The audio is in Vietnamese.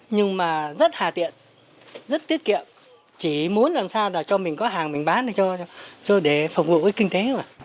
nhưng mà rất hà tiện rất tiết kiệm chỉ muốn làm sao là cho mình có hàng mình bán đi để phục vụ cái kinh tế